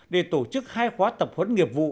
để tổ chức hai khóa tập huấn nghiệp vụ